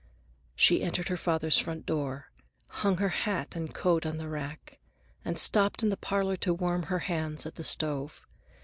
She entered her father's front door, hung her hat and coat on the rack, and stopped in the parlor to warm her hands at the stove.